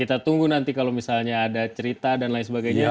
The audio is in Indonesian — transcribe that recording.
kita tunggu nanti kalau misalnya ada cerita dan lain sebagainya